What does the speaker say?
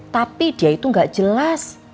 tapi dia itu nggak jelas